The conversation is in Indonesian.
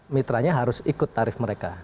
mitranya harus ikut tarif mereka